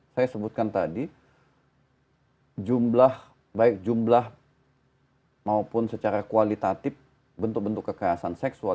saya sebutkan tadi jumlah baik jumlah maupun secara kualitatif bentuk bentuk kekerasan seksual